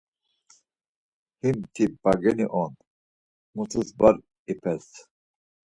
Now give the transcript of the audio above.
Him ti bageni on, mutus var ipels.